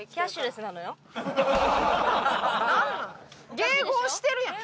迎合してるやん。